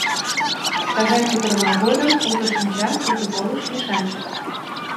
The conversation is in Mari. — Тыгай кутырымо годым уто шинча, уто пылыш — мешанчык.